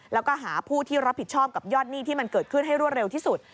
แล้วก็หาผู้ที่รับผิดชอบกับยอดหนี้ที่มันเกิดขึ้นให้รวดเร็วที่สุด